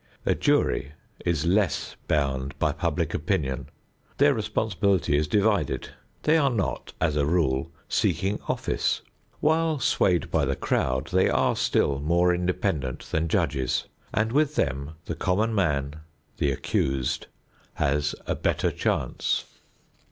A jury is less bound by public opinion; their responsibility is divided; they are not as a rule seeking office; while swayed by the crowd they are still more independent than judges and with them the common man, the accused, has a better chance.